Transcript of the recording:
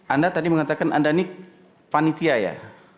anda tadi mengatakan anda ini panitia ya